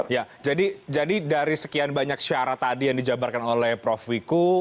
ya jadi dari sekian banyak syarat tadi yang dijabarkan oleh prof wiku